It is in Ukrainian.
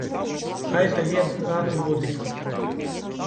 Хай дає зразу води.